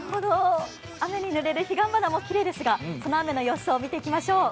雨に濡れる彼岸花もきれいですが、その雨の様子を見ていきましょう。